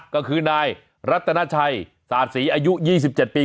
ก็คือนายรัตนาชัยสาธิสีอายุ๒๗ปี